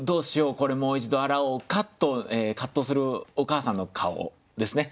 これもう一度洗おうか」と葛藤するお母さんの顔ですね。